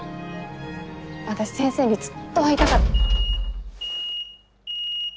私先生にずっと会いたか。